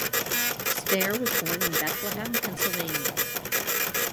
Stair was born in Bethlehem, Pennsylvania.